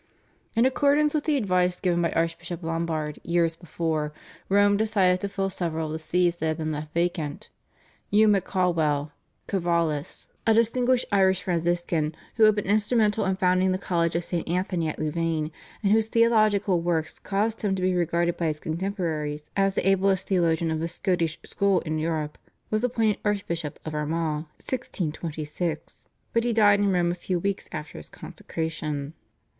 In accordance with the advice given by Archbishop Lombard years before, Rome decided to fill several of the Sees that had been left vacant. Hugh MacCaghwell (/Cavellus/), a distinguished Irish Franciscan, who had been instrumental in founding the College of St. Anthony at Louvain, and whose theological works caused him to be regarded by his contemporaries as the ablest theologian of the Scotish school in Europe, was appointed Archbishop of Armagh (1626), but he died in Rome a few weeks after his consecration.